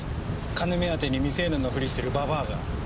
金目当てに未成年のフリしてるババアが。